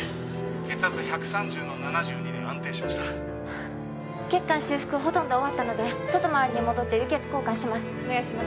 血圧１３０の７２で安定しました血管修復ほとんど終わったので外回りに戻って輸血交換しますお願いします